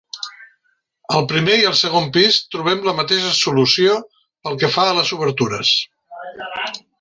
Al primer i segon pis trobem la mateixa solució pel que fa a les obertures.